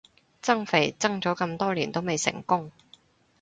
增肥增咗咁多年都未成功